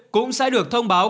cũng sẽ được thông báo